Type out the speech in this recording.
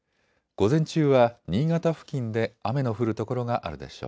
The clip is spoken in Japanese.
午前中は新潟付近で雨の降る所があるでしょう。